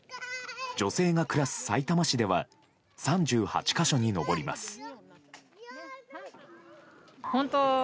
女性が暮らす、さいたま市では３８か所に上ります。